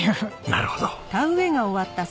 なるほど。